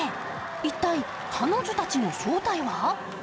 一体、彼女たちの正体は？